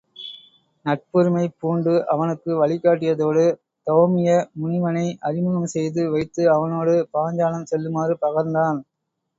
நட்புரிமை பூண்டு அவனுக்கு வழிகாட்டியதோடு தௌமிய முனிவனை அறிமுகம் செய்து வைத்து அவனோடு பாஞ்சாலம் செல்லுமாறு பகர்ந்தான்.